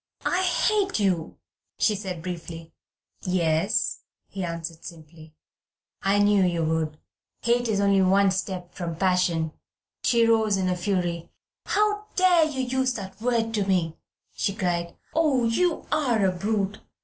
"I hate you," she said briefly. "Yes," he answered simply, "I knew you would. Hate is only one step from passion." She rose in a fury. "How dare you use that word to me!" she cried. "Oh, you are a brute!